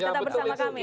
tetap bersama kami